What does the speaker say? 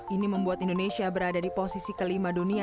ini membuat indonesia berada di posisi kelima dunia